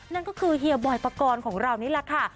นั่นก็คือเฮียบอยปกรณ์ของเรานี่แหละค่ะ